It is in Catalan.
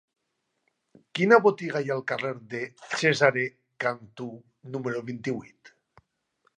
Quina botiga hi ha al carrer de Cesare Cantù número vint-i-vuit?